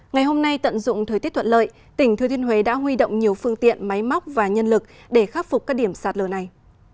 ngày hôm nay tận dụng thời tiết thuận lợi tỉnh thừa thiên huế đã huy động nhiều phương tiện máy móc và nhân lực để khắc phục các điểm sạt lở này